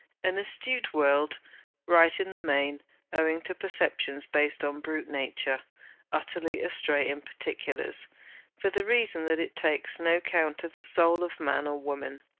An astute world; right in the main, owing to perceptions based upon brute nature; utterly astray in particulars, for the reason that it takes no count of the soul of man or woman.